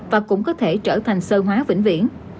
và cũng có thể trở thành sơ hóa vĩnh viễn